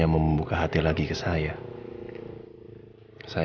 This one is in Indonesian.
gak lagi kan kamu gak denger saya tadi